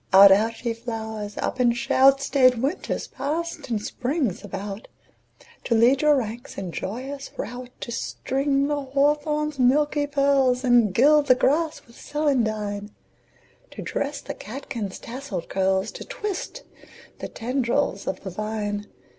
Out, out, ye flowers! Up and shout! Staid Winter's passed and Spring's about To lead your ranks in joyous rout; To string the hawthorn's milky pearls, And gild the grass with celandine; To dress the catkins' tasselled curls, To twist the tendrils of the vine.